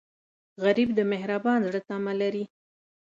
غریب د مهربان زړه تمه لري